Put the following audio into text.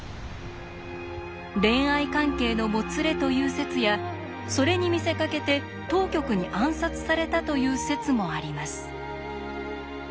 恋愛関係のもつれという説やそれに見せかけて当局に暗殺されたという説もあります。